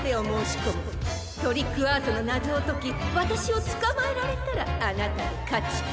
トリックアートのなぞをときわたしをつかまえられたらあなたのかち。